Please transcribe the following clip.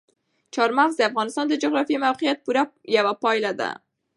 چار مغز د افغانستان د جغرافیایي موقیعت پوره یوه پایله ده.